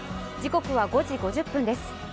時刻は５時５０分です。